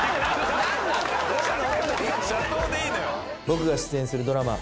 僕が出演するドラマ